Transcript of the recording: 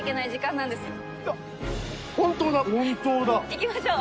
行きましょう！